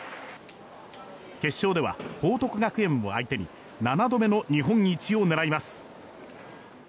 決勝では報徳学園を相手に７度目の日本一を狙います。